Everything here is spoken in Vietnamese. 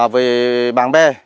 về bạn bè